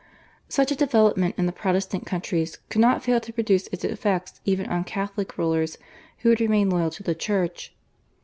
Such a development in the Protestant countries could not fail to produce its effects even on Catholic rulers who had remained loyal to the Church.